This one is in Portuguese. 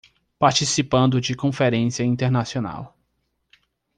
Participando de conferência internacional